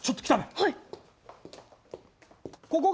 はい。